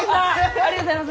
ありがとうございます！